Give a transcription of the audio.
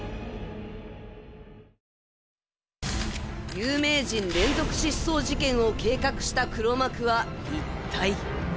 有名人連続失踪事件を計画した黒幕は一体。